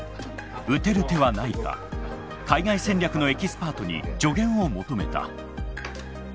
打てる手はないか海外戦略のエキスパートに助言を求めた。